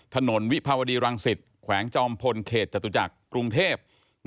ถนนวิภาวดีรังศิษย์แขวงจอมพลเขตจตุจักรกรุงเทพฯ๑๐๙๐๐